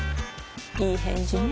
いい返事ね